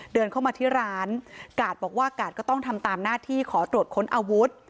เดินเข้ามาที่ร้านกาดบอกว่ากาดก็ต้องทำตามหน้าที่ขอตรวจค้นอาวุธ